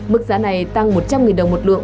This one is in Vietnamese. mức giá này tăng một trăm linh đồng một lượng